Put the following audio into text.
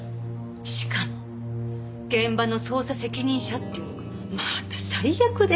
しかも現場の捜査責任者っていうのがまた最悪で。